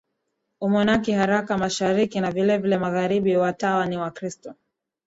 umonaki haraka mashariki na vilevile magharibi Watawa ni Wakristo